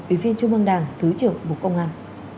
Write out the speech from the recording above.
ủy viên trung mương đảng thứ trưởng bộ công an